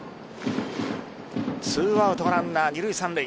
２アウトランナー二塁・三塁。